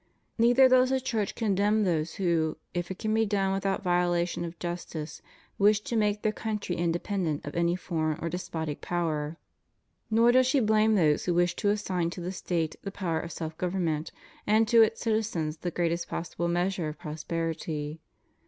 Neither does the Church condemn those who, if it can be done without violation of justice, wish to make their country independent of any foreign or despotic power. Nor does she blame those who wish to assign to the State the power of self government, and to its citizens the greatest possible measure of prosperity.